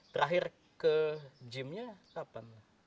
terakhir ke gymnya siapa